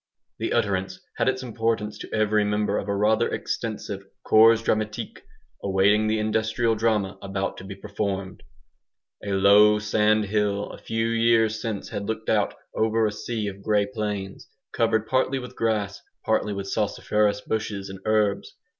The utterance had its importance to every member of a rather extensive "CORPS DRAMATIQUE" awaiting the industrial drama about to be performed. A low sand hill a few years since had looked out over a sea of grey plains, covered partly with grass, partly with salsiferous bushes and herbs.